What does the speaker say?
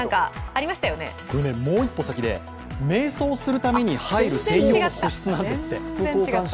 もう一歩先で、めい想するために入る専用の個室なんですって。